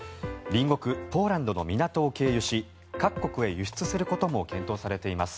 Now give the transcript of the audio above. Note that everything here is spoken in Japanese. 隣国ポーランドの港を経由し各国へ輸出することも検討されています。